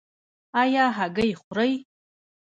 ایا هګۍ خورئ؟